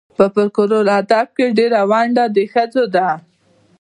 په فولکور ادب کې ډېره ونډه د ښځو ده.